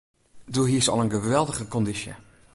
Doe hiest al in geweldige kondysje.